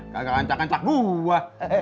kagak kancak kancak gua